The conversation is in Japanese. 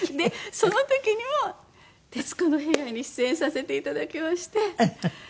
その時にも『徹子の部屋』に出演させていただきまして。